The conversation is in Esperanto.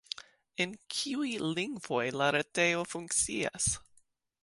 En kiuj lingvoj la retejo funkcias?